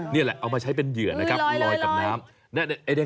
นี่แหละเอามาใช้เป็นเหยื่อนะครับลอยกับน้ำ